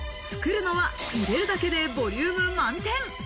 作るのは、入れるだけでボリューム満点。